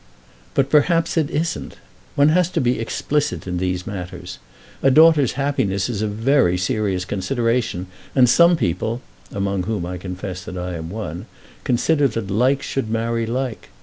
"But, perhaps, it isn't. One has to be explicit in these matters. A daughter's happiness is a very serious consideration, and some people, among whom I confess that I am one, consider that like should marry like.